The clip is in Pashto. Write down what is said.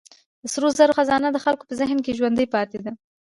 د سرو زرو خزانه د خلکو په ذهن کې ژوندۍ پاتې ده.